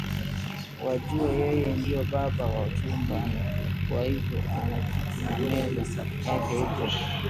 wajua yeye ndo’ baba wa chumbani kwa hivyo ana kiti na meza yake huko